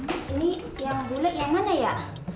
ini yang gulai yang mana ya